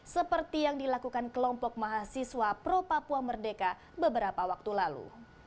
seperti yang dilakukan kelompok mahasiswa pro papua merdeka beberapa waktu lalu